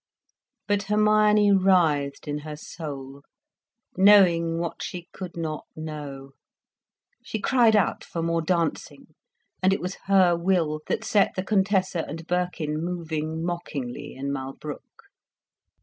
But Hermione writhed in her soul, knowing what she could not know. She cried out for more dancing, and it was her will that set the Contessa and Birkin moving mockingly in Malbrouk.